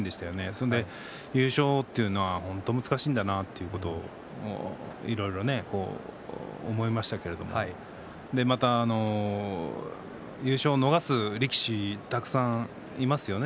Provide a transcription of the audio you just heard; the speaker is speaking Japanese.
それで優勝というのは本当に難しいんだなということをいろいろと思いましたけどまた、優勝を逃す力士はたくさんいますよね